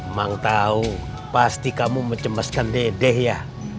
mang tahu pasti kamu mencemaskan dedeh ya